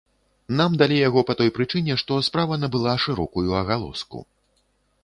Нам далі яго па той прычыне, што справа набыла шырокую агалоску.